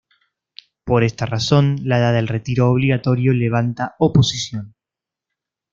Por esta razón la edad del retiro obligatorio levanta oposición.